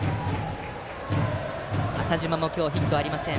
浅嶋も今日はヒットがありません。